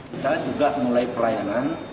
kita juga mulai pelayanan